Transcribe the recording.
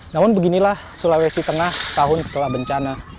namun beginilah sulawesi tengah tahun setelah bencana